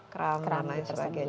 kram kram dan lain sebagainya